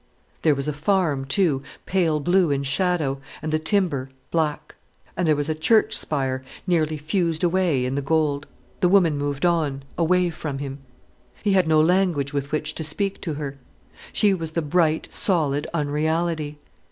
There was a farm, too, pale blue in shadow, and the timber black. And there was a church spire, nearly fused away in the gold. The woman moved on, away from him. He had no language with which to speak to her. She was the bright, solid unreality.